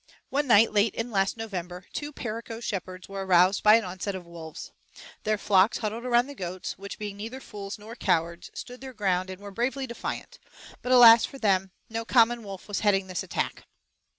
One night late in last November, two Perico shepherds were aroused by an onset of wolves. Their flocks huddled around the goats, which, being neither fools nor cowards, stood their ground and were bravely defiant; but alas for them, no common wolf was heading this attack.